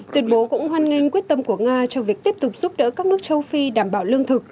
tuyên bố cũng hoan nghênh quyết tâm của nga cho việc tiếp tục giúp đỡ các nước châu phi đảm bảo lương thực